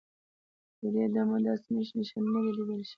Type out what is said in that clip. تر دې دمه داسې نښې نښانې نه دي لیدل شوي.